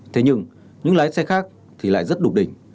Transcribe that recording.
thế nhưng những lái xe khác thì lại rất đục đỉnh